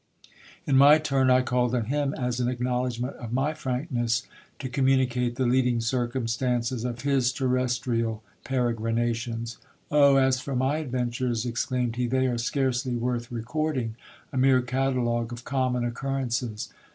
In my turn I called on him, as an acknowledgment of my frankness, to communicate the leading circumstances of his terrestrial peregrin ations. Oh ! as for my adventures, exclaimed he, they are scarcely worth re cording, a mere catalogue of common occurrences.